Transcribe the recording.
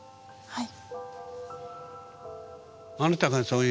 はい。